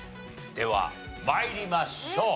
では参りましょう。